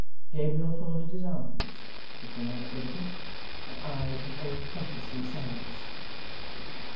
Gabriel folded his arms, which were now at liberty, and eyed his old 'prentice in silence.